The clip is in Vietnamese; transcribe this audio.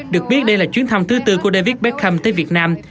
được biết đây là chuyến thăm thứ tư của david beccam tới việt nam